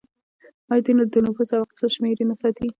آیا دوی د نفوس او اقتصاد شمیرې نه ساتي؟